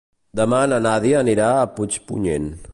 Demà na Nàdia anirà a Puigpunyent.